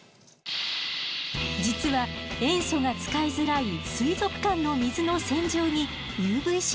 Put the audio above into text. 実は塩素が使いづらい水族館の水の洗浄にＵＶーＣが使われているの。